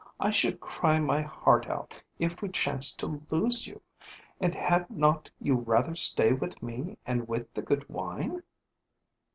I should cry my heart out if we chanced to lose you; and had not you rather stay with me and with the good wine?"